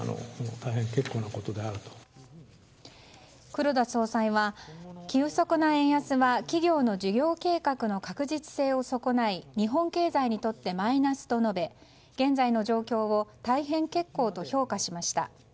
黒田総裁は急速な円安は企業の事業計画の確実性を損ない日本経済にとってマイナスと述べ現在の状況を大変結構と評価しました。